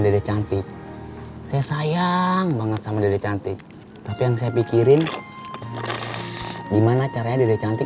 dede cantik saya sayang banget sama dede cantik tapi yang saya pikirin gimana caranya dede cantik